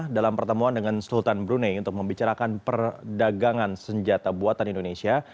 dalam pertemuan dengan sultan brunei untuk membicarakan perdagangan senjata buatan indonesia